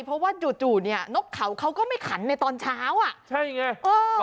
เพราะว่าจู่จู่เนี่ยนกเขาเขาก็ไม่ขันในตอนเช้าอ่ะใช่ไงเออ